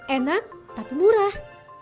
enak tapi murah